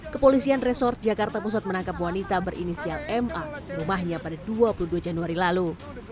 kepolisian resort jakarta pusat menangkap wanita berinisial ma rumahnya pada dua puluh dua januari lalu